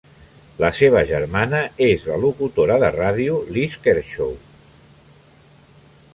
La seva germana és la locutora de ràdio Liz Kershaw.